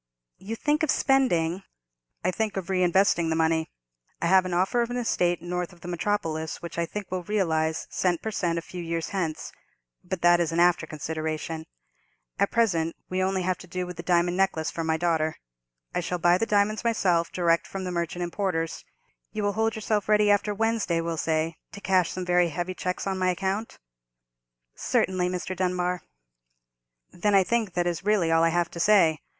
"You think of spending——" "I think of reinvesting the money. I have an offer of an estate north of the metropolis, which I think will realize cent per cent a few years hence: but that is an after consideration. At present we have only to do with the diamond necklace for my daughter. I shall buy the diamonds myself, direct from the merchant importers. You will hold yourself ready after Wednesday, we'll say, to cash some very heavy cheques on my account?" "Certainly, Mr. Dunbar." "Then I think that is really all I have to say.